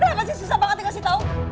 udah masih susah banget dikasih tau